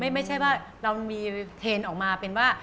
ไม่ใช่ว่าเรามีเทรนด์ออกมาเป็นว่า